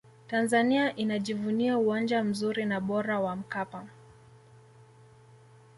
tanzania inajivunia uwanja mzuri na bora wa mkapa